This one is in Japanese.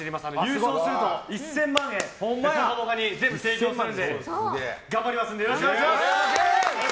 優勝すると１０００万円「ぽかぽか」に全部提供するので頑張りますのでよろしくお願いします！